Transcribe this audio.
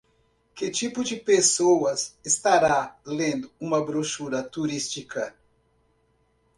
Que tipo de pessoas estará lendo uma brochura turística?